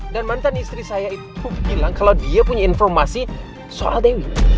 dan mantan istri saya itu hilang kalau dia punya informasi soal dewi